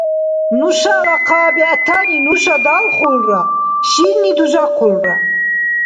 Нушала хъа бегӀтани нуша далхулра, шинни дужахъулра.